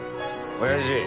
おやじ。